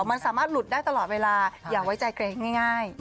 มันสามารถหลุดได้ตลอดเวลาอย่าไว้ใจเกรงง่าย